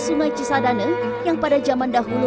sungai cisadane yang pada zaman dahulu